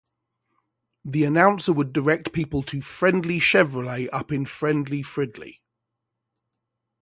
The announcer would direct people to "Friendly Chevrolet up in Friendly Fridley".